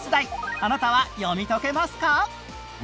あなたは読み解けますか？